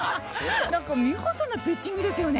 何か見事なピッチングですよね。